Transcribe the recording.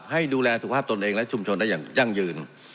ให้ดูแลสุขภาพตนเองและชุมชนได้อย่างยั่งยืน